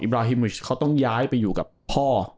บราฮิมิชเขาต้องย้ายไปอยู่กับพ่อ